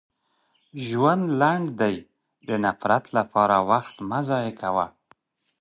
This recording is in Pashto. • ژوند لنډ دی، د نفرت لپاره وخت مه ضایع کوه.